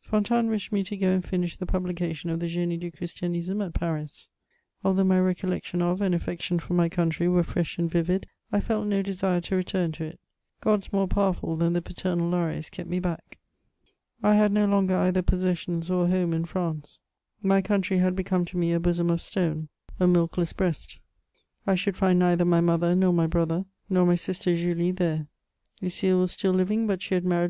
Fontanes wished me to go and finish the publication of the GinU du Christianisme at Paris. Although my recollection of and affection for my country were fresh and vivid, I felt no desire to return to it ; gods more powerful than the paternal lares kept me back ; I had no longer either possessions or a home in France ; my country had become to me a bosom of stone, a milkless breast ; I should find neither my mother, nor my brother, nor my sister Julie there, Lucile was still living, but she had married M.